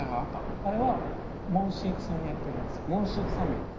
あれはモンシーク山脈といいます。